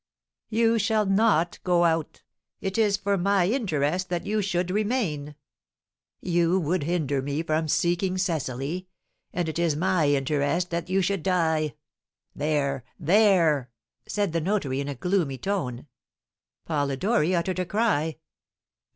"You shall not go out. It is for my interest that you should remain." "You would hinder me from seeking Cecily, and it is my interest that you should die. There there!" said the notary, in a gloomy tone. Polidori uttered a cry.